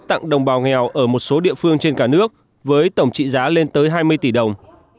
tặng đồng bào nghèo ở một số địa phương trên cả nước với tổng trị giá lên tới hai mươi tỷ đồng